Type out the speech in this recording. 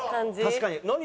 確かに。